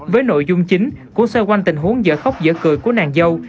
với nội dung chính của xoay quanh tình huống giở khóc giở cười của nàng dâu